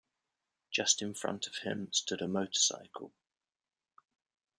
Just in front of him stood a motorcycle.